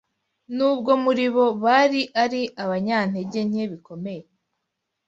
nubwo muri bo bari ari abanyantege nke bikomeye